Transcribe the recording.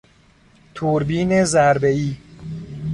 توربین ضربهای